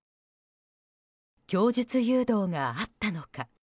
供述誘導があったのか。